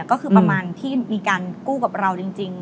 ก็คือประมาณที่มีการกู้กับเราจริง